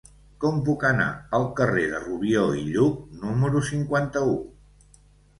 Com puc anar al carrer de Rubió i Lluch número cinquanta-u?